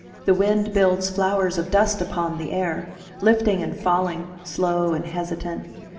The wind builds flowers of dust upon the air, Lifting and falling, slow and hesitant.